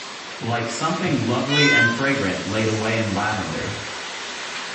Like something lovely and fragrant laid away in lavender.